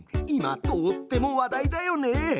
今とっても話題だよね！